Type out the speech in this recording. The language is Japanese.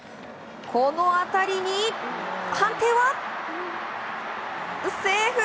この当たりに、判定はセーフ！